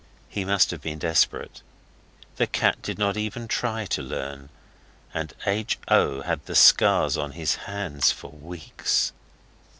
He must have been desperate. The cat did not even try to learn, and H. O. had the scars on his hands for weeks.